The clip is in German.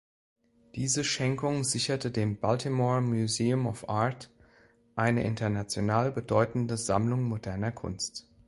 Diese Schenkung sicherte dem Baltimore Museum of Art eine international bedeutende Sammlung Moderner Kunst.